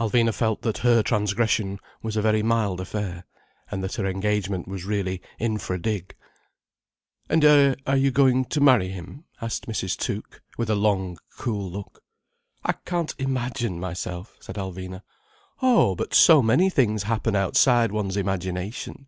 Alvina felt that her transgression was a very mild affair, and that her engagement was really infra dig. "And are you going to marry him?" asked Mrs. Tuke, with a long, cool look. "I can't imagine myself—" said Alvina. "Oh, but so many things happen outside one's imagination.